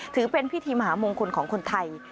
ถือเป็นพิธีมหามงคลของคนไทย